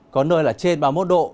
có nơi là trên ba mươi một độ